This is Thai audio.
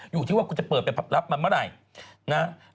อยู่ที่ว่าคุณจะเปิดไปรับมาเมื่อไหร่นะ